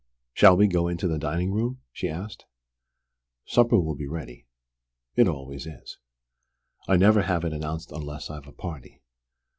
"Shall we go into the dining room?" she asked. "Supper will be ready. It always is. I never have it announced unless I've a party.